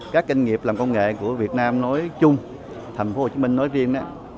các doanh nghiệp làm công nghệ của việt nam nói chung thành phố hồ chí minh nói riêng